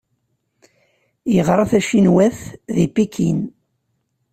Yeɣra tacinwant di Pikin.